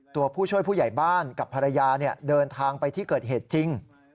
ตัวผู้ช่วยผู้ใหญ่บ้านกับภรรยาเดินทางไปที่เกิดเหตุจริง